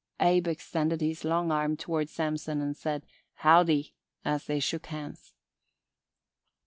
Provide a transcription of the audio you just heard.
Abe extended his long arm toward Samson and said "Howdy" as they shook hands.